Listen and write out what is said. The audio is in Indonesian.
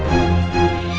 saya mau ke rumah